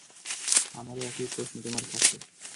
আমারও একই প্রশ্ন তোমার কাছে।